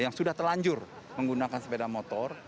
yang sudah telanjur menggunakan sepeda motor